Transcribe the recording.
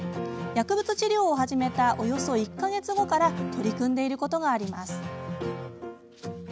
薬物治療を始めたおよそ１か月後から取り組んでいることがあります。